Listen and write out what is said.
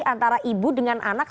antara ibu dengan anak